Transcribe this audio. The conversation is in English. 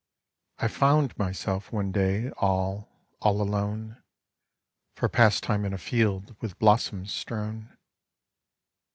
I found myself one day all, all alone, For pastime in a field with blossoms strewn.